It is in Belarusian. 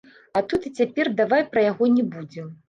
А тут і цяпер давай пра яго не будзем.